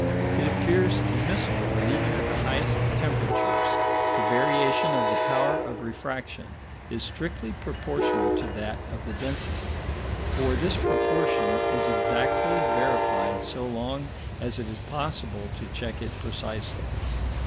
It appears admissible that even at the highest temperatures the variation of the power of refraction is strictly proportional to that of the density, for this proportion is exactly verified so long as it is possible to check it precisely.